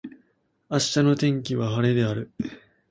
明日の天気は晴れである。